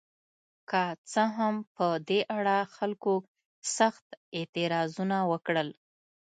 که څه هم په دې اړه خلکو سخت اعتراضونه وکړل.